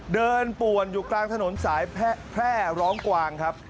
ป่วนอยู่กลางถนนสายแพร่ร้องกวางครับ